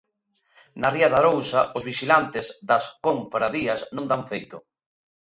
Na Ría de Arousa, os vixilantes das confrarías non dan feito.